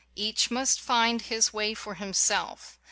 Each must find his way for himself.